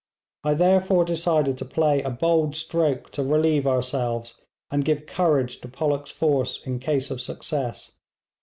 I therefore decided to play a bold stroke to relieve ourselves, and give courage to Pollock's force in case of success.